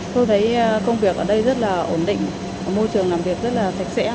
tôi thấy công việc ở đây rất là ổn định môi trường làm việc rất là sạch sẽ